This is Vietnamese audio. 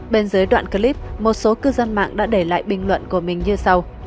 bên dưới đoạn clip một số cư dân mạng đã để lại bình luận của mình như sau